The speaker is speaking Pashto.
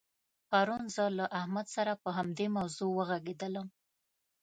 پرون زه له احمد سره په همدې موضوع وغږېدلم.